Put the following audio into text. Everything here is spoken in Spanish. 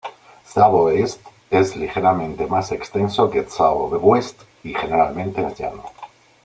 Tsavo East es ligeramente más extenso que Tsavo West y generalmente es llano.